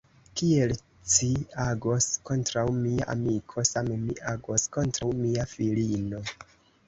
Kiel ci agos kontraŭ mia amiko, same mi agos kontraŭ cia filino.